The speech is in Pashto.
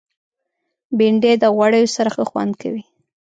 بېنډۍ د غوړیو سره ښه خوند کوي